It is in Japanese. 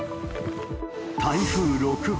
台風６号。